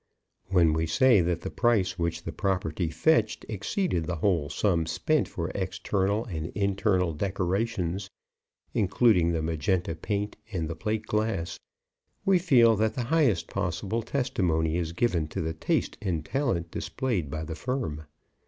When we say that the price which the property fetched exceeded the whole sum spent for external and internal decorations, including the Magenta paint and the plate glass, we feel that the highest possible testimony is given to the taste and talent displayed by the firm.